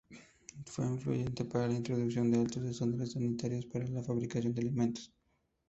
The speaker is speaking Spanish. Fue influyente para la introducción de altos estándares sanitarios para la fabricación de alimentos.